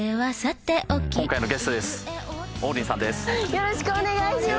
よろしくお願いします。